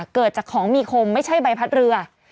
เกิดจากของมีคมไม่ใช่ใบพัดเรือ